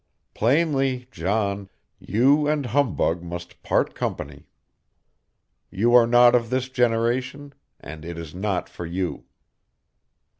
Plainly, John, you and humbug must part company. You are not of this generation and it is not for you.